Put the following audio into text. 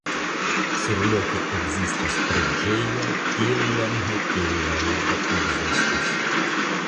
Surloke ekzistas preĝejo tiel longe kiel la urbo ekzistis.